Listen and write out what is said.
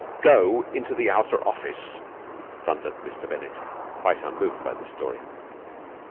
"Go into the outer office!" thundered Mr. Bennett, quite unmoved by this story.